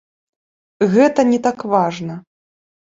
Гэта не так важна.